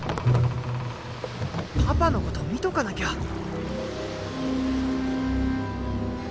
パパのこと見とかなきゃ。